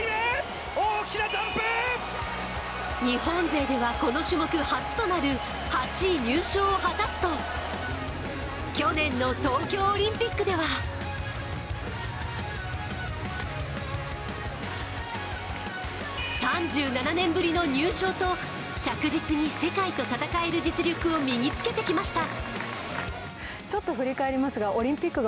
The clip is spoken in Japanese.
日本勢ではこの種目初となる８位入賞を果たすと去年の東京オリンピックでは３７年ぶりの入賞と、着実に世界と戦える実力を身につけてきました。